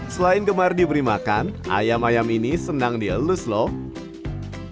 selain kemarin diberi makan ayam ayam ini senang dielus loh begitu juga dengan burung halusnya